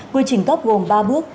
quy trình cấp gồm ba bước